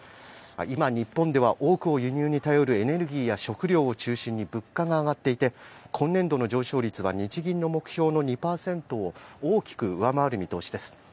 今、日本では多くを輸入に頼るエネルギーや食料を中心に物価が上がっていて今年度の上昇率は日銀の目標の２％を大きく上回る見通しです。